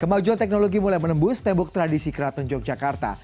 kemajuan teknologi mulai menembus tembok tradisi keraton yogyakarta